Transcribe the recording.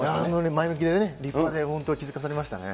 前向きで、立派で、本当に気付かされましたね。